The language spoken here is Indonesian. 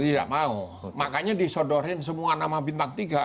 tidak mau makanya disodorin semua nama bintang tiga